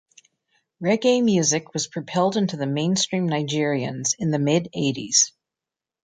Reggae music was propelled into the mainstream Nigerians in the mid eighties.